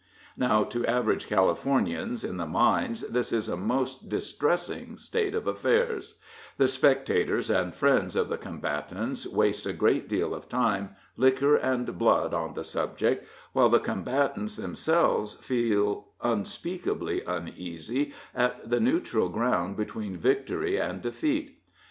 Now, to average Californians in the mines this is a most distressing state of affairs; the spectators and friends of the combatants waste a great deal of time, liquor, and blood on the subject, while the combatants themselves feel unspeakably uneasy on the neutral ground between victory and defeat.